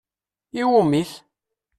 Iwwumi-t?